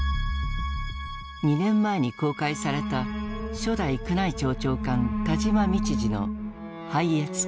２年前に公開された初代宮内庁長官田島道治の「拝謁記」。